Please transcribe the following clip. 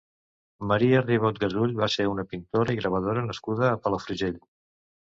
Maria Ribot Gasull va ser una pintora i gravadora nascuda a Palafrugell.